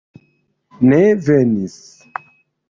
Ne venis.